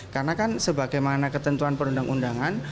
karena kan sebagaimana ketentuan perundang undangan